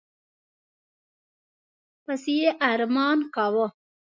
پسي یې ارمان کاوه.